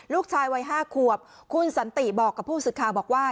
ลูกชายวัย๕ขวบคุณสันติบอกกับผู้สื่อข่าวบอกว่า